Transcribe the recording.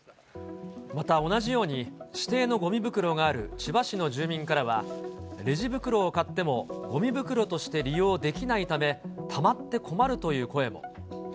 また同じように、指定のごみ袋がある千葉市の住民からは、レジ袋を買ってもごみ袋として利用できないため、たまって困るという声も。